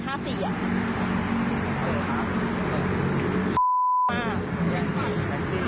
กรรร๑๘๕๔